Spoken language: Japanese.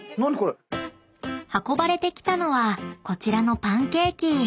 ［運ばれてきたのはこちらのパンケーキ］